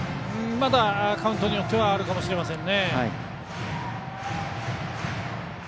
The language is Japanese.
まだカウントによってはあるかもしれませんね。